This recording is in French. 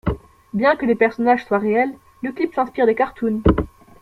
Bien que les personnages soient réels, le clip s'inspire des cartoons.